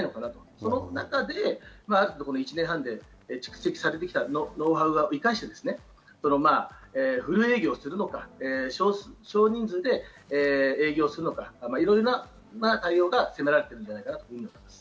その中で１年半で蓄積されてきたノウハウを生かしてフル営業するのか、少人数で営業するのか、いろいろな対応が迫られているのではないかと思います。